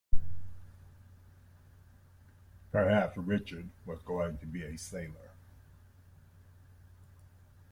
Perhaps Richard was going to be a sailor.